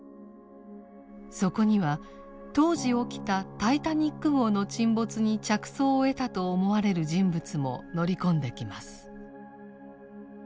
そこには当時起きたタイタニック号の沈没に着想を得たと思われる人物も乗り込んできます。